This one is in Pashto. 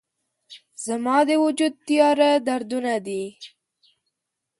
زما د وجود تیاره دردونه دي